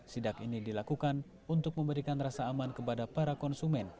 sidak ini dilakukan untuk memberikan rasa aman kepada para konsumen